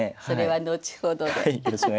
それは後ほどで。